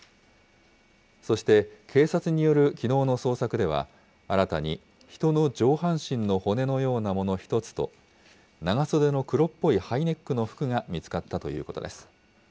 そして、警察によるきのうの捜索では、新たに人の上半身の骨のようなもの１つと、長袖の黒っぽいハイネックの服が見つかったということです。